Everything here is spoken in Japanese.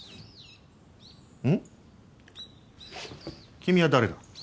君は誰だ？